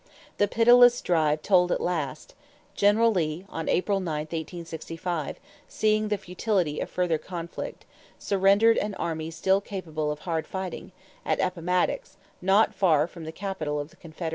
The pitiless drive told at last. General Lee, on April 9, 1865, seeing the futility of further conflict, surrendered an army still capable of hard fighting, at Appomattox, not far from the capital of the Confederacy.